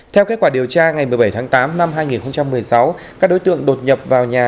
theo kết quả điều tra ngày một mươi bảy tháng tám năm hai nghìn một mươi sáu các đối tượng đột nhập vào nhà